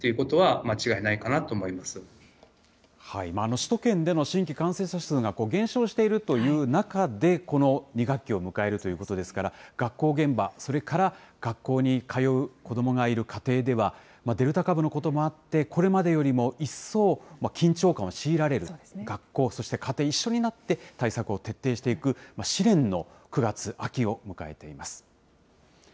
首都圏での新規感染者数が減少しているという中で、この２学期を迎えるということですから、学校現場、それから学校に通う子どもがいる家庭では、デルタ株のこともあって、これまでよりも一層、緊張感を強いられる学校、そして家庭一緒になって対策を徹底していく、試練の９月、秋を迎えています。